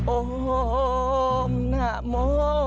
โอ้มหน้าโม้